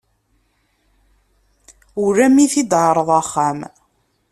Ula mi i t-id-teɛreḍ axxam.